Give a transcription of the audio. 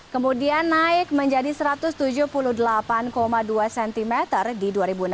kemudian naik menjadi satu ratus tujuh puluh delapan dua cm di dua ribu enam belas